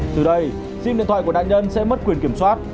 từ đây sim điện thoại của nạn nhân sẽ mất quyền kiểm soát